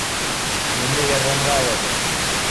Мине ярҙамға алығыҙ